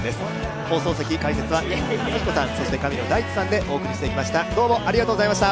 放送席、解説は金哲彦さん、そして神野大地さんでお送りしていきました。